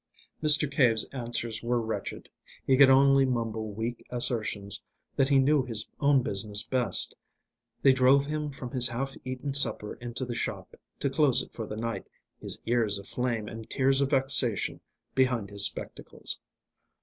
Mr. Cave's answers were wretched; he could only mumble weak assertions that he knew his own business best. They drove him from his half eaten supper into the shop, to close it for the night, his ears aflame and tears of vexation behind his spectacles.